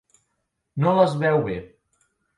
No les veu bé.